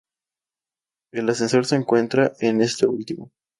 El ascensor se encuentra en este último.